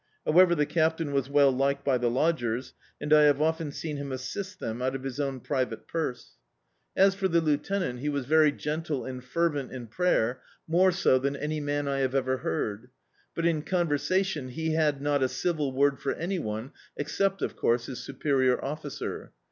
However, the Captain was well liked by the lodgers, and I have often seen him assist them out of his own private purse. D,i.,.db, Google The Ark As for the Lieutenant, he was very gentle and fervent in prayer, more so than any man I have ever heard, but in conversation he had not a civil word for any one, except, of course, his superior officer.